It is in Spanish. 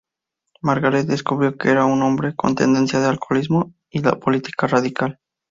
Margaret descubrió que era un hombre con tendencia al alcoholismo y la política radical.